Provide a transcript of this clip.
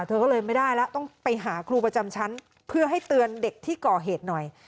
เธอก็เลยไม่ได้แล้วต้องไปหาครูประจำชั้นเพื่อให้เตือนเด็กที่ก่อเหตุหน่อย